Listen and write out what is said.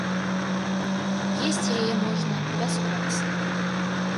Есць яе можна бясконца.